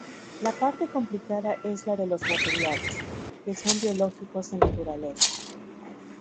La parte complicada es la de los materiales, que son biológicos en naturaleza.